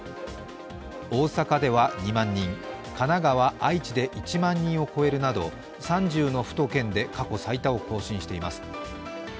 大阪では２万人、神奈川、愛知で１２万人を超えるなど３０の府と県で過去最多を更新しています。